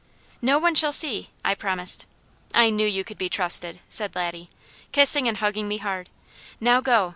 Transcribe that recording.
"No one shall see," I promised. "I knew you could be trusted," said Laddie, kissing and hugging me hard. "Now go!